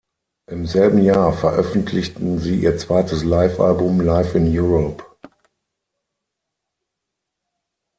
Im selben Jahr veröffentlichten sie ihr zweites Livealbum „Live in Europe“.